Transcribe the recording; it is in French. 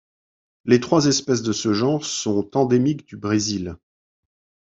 Les trois espèces de ce genre sont endémiques du Brésil.